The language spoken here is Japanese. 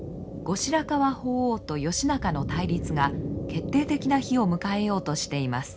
後白河法皇と義仲の対立が決定的な日を迎えようとしています。